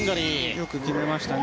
よく決めましたね。